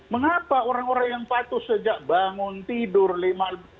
mengapa orang orang yang patuh sejak bangun tidur lima